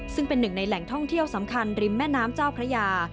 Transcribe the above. ซึ่งเป็นหนึ่งในแหล่งท่องเที่ยวสำคัญริมแม่น้ำเจ้าพระยา